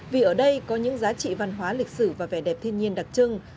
vì ở đây có những giá trị văn hóa lịch sử và vẻ đẹp thiên nhiên đặc trưng